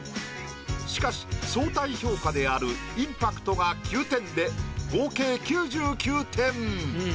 しかし相対評価であるインパクトが９点で合計９９点。